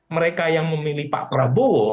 mereka yang memilih pak prabowo